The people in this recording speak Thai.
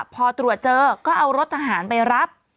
พอตรวจเจอก็เอารถทหารไปรับ